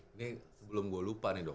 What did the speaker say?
ini belum gua lupa nih dok